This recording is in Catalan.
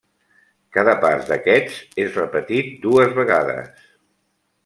Cada pas d'aquests és repetit dues vegades.